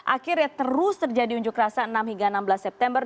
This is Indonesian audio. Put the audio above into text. akhirnya terus terjadi unjuk rasa enam hingga enam belas september